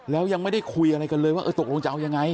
แล้วยังไม่ได้คุยอะไรกันเลยว่าเออตกลงจะเอายังไง